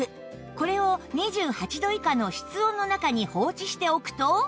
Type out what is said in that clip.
これを２８度以下の室温の中に放置しておくと